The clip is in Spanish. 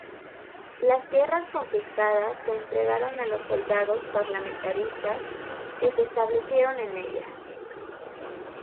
Las tierras confiscadas se entregaron a los soldados parlamentaristas, que se establecieron en ellas.